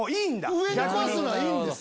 上に壊すのはいいんです。